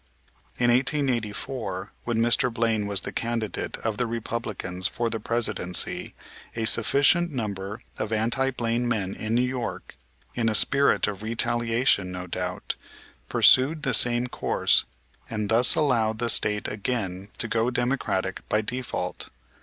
In 1884, when Mr. Blaine was the candidate of the Republicans for the Presidency, a sufficient number of anti Blaine men in New York, in a spirit of retaliation, no doubt, pursued the same course and thus allowed the State again to go Democratic by default.